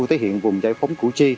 thể hiện vùng giải phóng củ chi